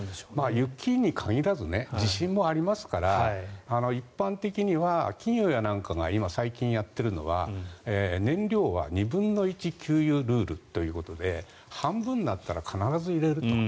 雪に限らず地震もありますから一般的には企業なんかが最近やっているのは燃料は２分の１給油ルールということで半分になったら必ず入れると。